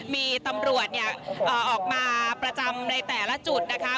มีตำรวจออกมาประจำในแต่ละจุดนะคะ